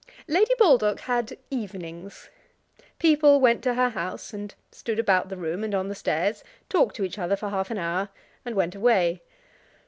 Lady Baldock had evenings. People went to her house, and stood about the room and on the stairs, talked to each other for half an hour, and went away.